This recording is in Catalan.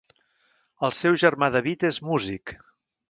El seu germà David és music.